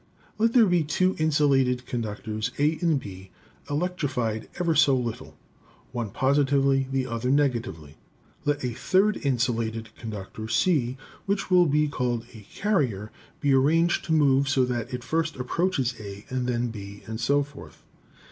Let there be two insulated conductors A and B electrified ever so little, one positively, the other negatively. Let a third insulated conductor C, which will be called a carrier, be arranged to move so that it first approaches A and then B, and so forth.